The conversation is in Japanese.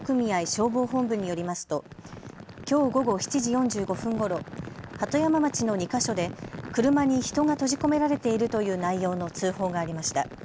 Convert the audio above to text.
消防本部によりますときょう午後７時４５分ごろ、鳩山町の２か所で車に人が閉じ込められているという内容の通報がありました。